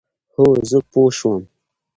هو، زه پوه شوم،